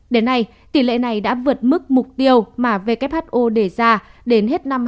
đến nay tỷ lệ này đã vượt mức mục tiêu mà who đề ra đến hết năm hai nghìn hai mươi